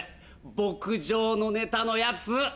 牧場のネタのやつ！